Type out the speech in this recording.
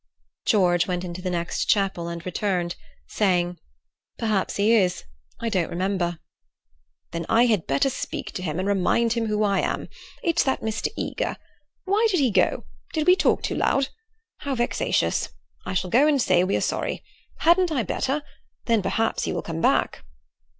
George went into the next chapel and returned, saying "Perhaps he is. I don't remember." "Then I had better speak to him and remind him who I am. It's that Mr. Eager. Why did he go? Did we talk too loud? How vexatious. I shall go and say we are sorry. Hadn't I better? Then perhaps he will come back."